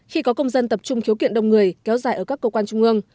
khi có công dân tập trung khiếu kiện đông người kéo dài ở các cơ quan trung ương